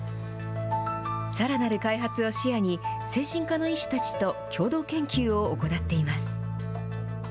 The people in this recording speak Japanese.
さらなる開発を視野に、精神科の医師たちと共同研究を行っています。